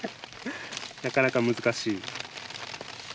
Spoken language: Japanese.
なかなか難しい。